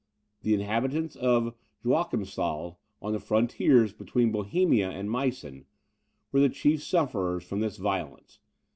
The inhabitants of Joachimsthal, on the frontiers between Bohemia and Meissen, were the chief sufferers from this violence.